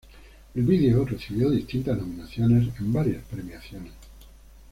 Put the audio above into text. El vídeo recibió distintas nominaciones en varias premiaciones.